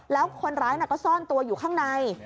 แล้วคนร้ายก็ซ่อนตัวอยู่ข้างใน